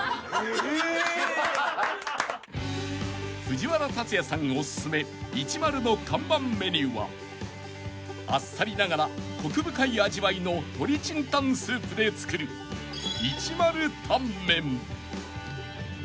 ［藤原竜也さんおすすめＩＣＨＩＭＡＲＵの看板メニューはあっさりながらコク深い味わいの鶏チンタンスープで作る］いただきます。